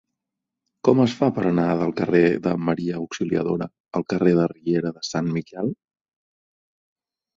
Com es fa per anar del carrer de Maria Auxiliadora al carrer de la Riera de Sant Miquel?